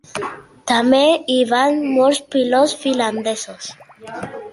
També hi van molts pilots finlandesos.